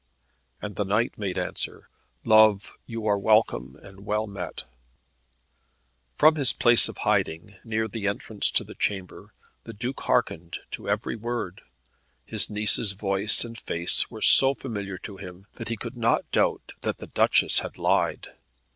And the knight made answer, "Love, you are welcome and wellmet." From his place of hiding, near the entrance to the chamber, the Duke hearkened to every word. His niece's voice and face were so familiar to him, that he could not doubt that the Duchess had lied.